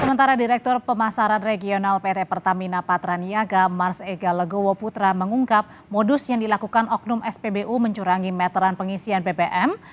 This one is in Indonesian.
sementara direktur pemasaran regional pt pertamina patraniaga mars ega legowo putra mengungkap modus yang dilakukan oknum spbu mencurangi meteran pengisian bbm